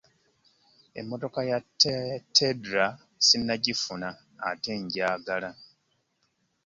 Emmotoka ya Teddler sinnagifuna ate agyagala.